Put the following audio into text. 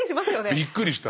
びっくりした。